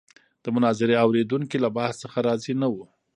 د مناظرې اورېدونکي له بحث څخه راضي نه وو.